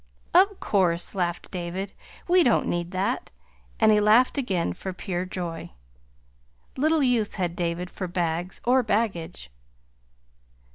"Of course!" laughed David. "We don't need that." And he laughed again, for pure joy. Little use had David for bags or baggage!